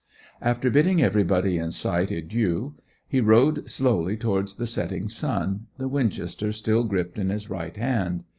After bidding everybody in sight adieu he rode slowly towards the setting sun, the winchester still gripped in his right hand.